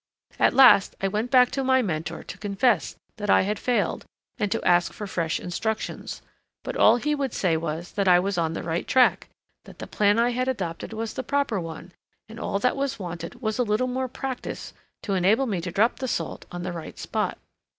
At last I went back to my mentor to confess that I had failed and to ask for fresh instructions, but all he would say was that I was on the right track, that the plan I had adopted was the proper one, and all that was wanted was a little more practice to enable me to drop the salt on the right spot.